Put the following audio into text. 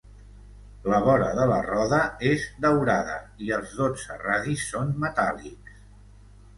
La vora de la roda és daurada, i els dotze radis són metàl·lics.